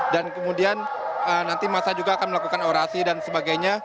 dan kemudian nanti masa juga akan melakukan orasi dan sebagainya